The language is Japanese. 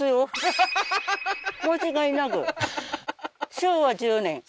昭和１０年？